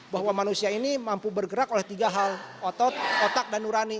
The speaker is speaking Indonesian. bahwa manusia ini mampu bergerak oleh tiga hal otot otak dan nurani